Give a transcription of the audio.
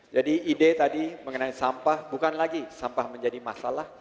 jadi ide tadi mengenai sampah bukan lagi sampah menjadi masalah